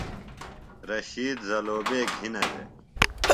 رشید زلوبے گِھینہ دےۡ۔